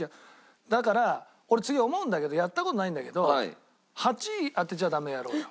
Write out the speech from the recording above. だから俺次思うんだけどやった事ないんだけど「８位当てちゃダメ」やろうよ。